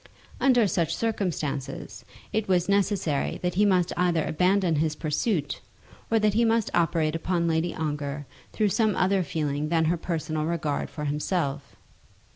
Under such circumstances, it was necessary that he must either abandon his pursuit, or that he must operate upon Lady Ongar through some other feeling than her personal regard for himself.